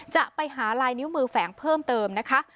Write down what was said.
จะไปหาลายนิ้วมือแฝงเพิ่มเติมนะคะ